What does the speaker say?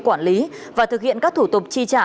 quản lý và thực hiện các thủ tục chi trả